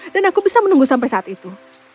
dan aku bisa menunggu sampai saat itu